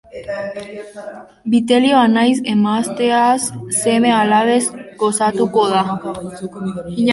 Vitelio anaiaz, emazteaz, seme-alabez gozatuko da.